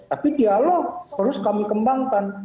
tapi dialog terus kami kembangkan